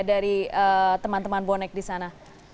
dari teman teman bonek di sana